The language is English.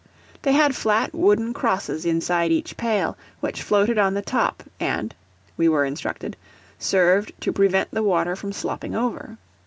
They had flat wooden crosses inside each pail, which floated on the top and (we were instructed) served to prevent the water from slopping over.